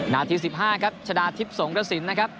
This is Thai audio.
นัดที่๑๕ครับชะดาทิพย์สงฆสินนะครับ